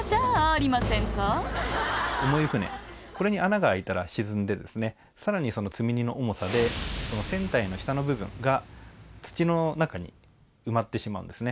これに穴が開いたら沈んでさらに積み荷の重さで船体の下の部分が土の中に埋まってしまうんですね。